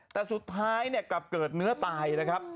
แต่สุดท้ายเนี่ยกลับเกิดเนื้อไตเลยครับ